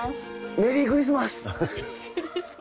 メリークリスマス！